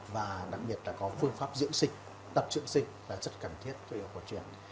và đặc biệt là có phương pháp dưỡng sinh tập dưỡng sinh là rất cần thiết cho y học của truyền